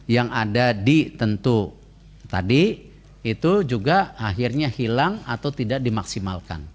yang ada di tentu tadi itu juga akhirnya hilang atau tidak dimaksimalkan